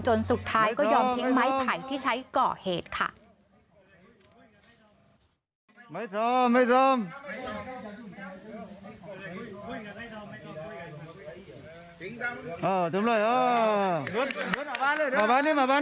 สุดท้ายก็ยอมทิ้งไม้ไผ่ที่ใช้ก่อเหตุค่ะ